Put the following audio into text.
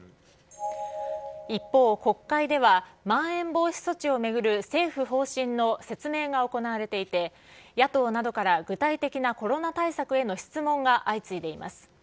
一方、国会ではまん延防止措置を巡る政府方針の説明が行われていて、野党などから具体的なコロナ対策への質問が相次いでいます。